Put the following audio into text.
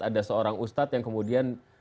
ada seorang ustadz yang kemudian